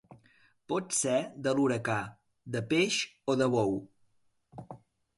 Pot ser de l'huracà, de peix o de bou.